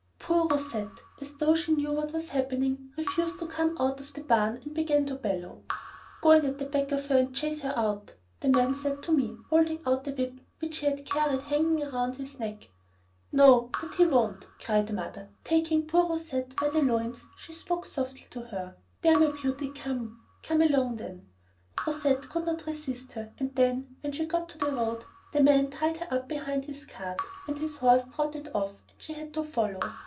Poor Rousette, as though she knew what was happening, refused to come out of the barn and began to bellow. "Go in at the back of her and chase her out," the man said to me, holding out a whip which he had carried hanging round his neck. "No, that he won't," cried mother. Taking poor Rousette by the loins, she spoke to her softly: "There, my beauty, come ... come along then." Rousette could not resist her, and then, when she got to the road, the man tied her up behind his cart and his horse trotted off and she had to follow.